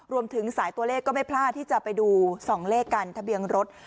รวมถึงสายตัวเลขก็ไม่พลาดที่จะไปดู๒เลขกันทะเบียนรถ